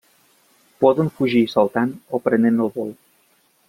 Poden fugir saltant o prenent el vol.